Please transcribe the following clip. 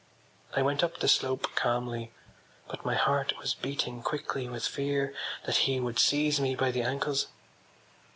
I went up the slope calmly but my heart was beating quickly with fear that he would seize me by the ankles.